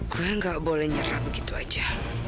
gue gak boleh nyerah begitu aja